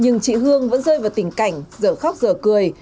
nhưng chị hương vẫn rơi vào tình cảnh dở khóc giờ cười